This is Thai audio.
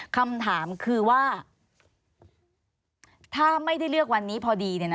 คำถามคือว่าถ้าไม่ได้เลือกวันนี้พอดี